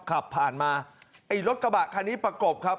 ขับผ่านมาไอ้รถกระบะคันนี้ประกบครับ